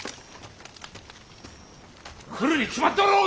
来るに決まっておろうが！